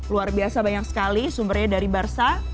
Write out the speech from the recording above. luar biasa banyak sekali sumbernya dari barca